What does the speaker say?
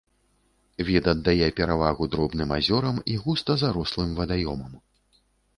Від аддае перавагу дробным азёрам і густа зарослым вадаёмам.